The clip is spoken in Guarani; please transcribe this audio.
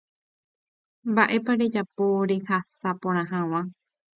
Mba'épa rejapo rehasa porã hag̃ua.